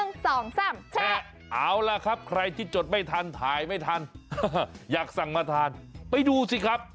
เอาล่ะครับใครที่จดไม่ทันถ่ายไม่ทันอยากสั่งมาทานไปดูสิครับ